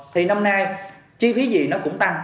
thì năm nay chi phí gì nó cũng tăng